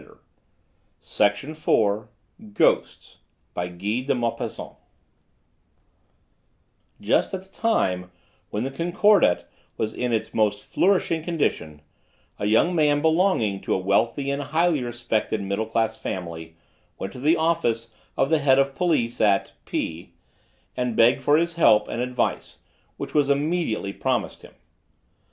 how they all laughed that day! Ghosts Just at the time when the Concordat was in its most flourishing condition, a young man belonging to a wealthy and highly respected middle class family went to the office of the head of the police at P , and begged for his help and advice, which was immediately promised him.